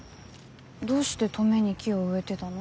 どうして登米に木を植えてたの？